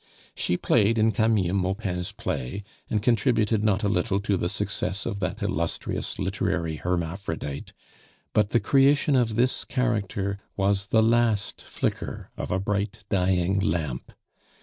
She played in Camille Maupin's play, and contributed not a little to the success of that illustrious literary hermaphrodite; but the creation of this character was the last flicker of a bright, dying lamp.